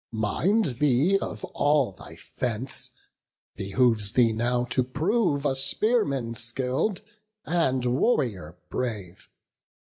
Mind thee of all thy fence; behoves thee now To prove a spearman skill'd, and warrior brave.